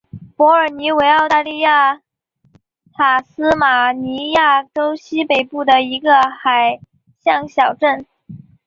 伯尔尼为澳大利亚塔斯马尼亚州西北部的一个海港小镇。